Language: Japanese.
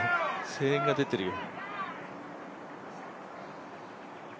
声援が出てるよ。